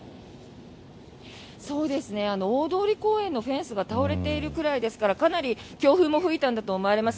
大通公園のフェンスが倒れているぐらいですからかなり強風も吹いたんだと思われます。